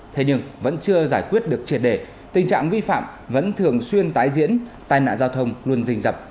thế nhưng vẫn chưa giải quyết được triệt đề tình trạng vi phạm vẫn thường xuyên tái diễn tai nạn giao thông luôn rình dập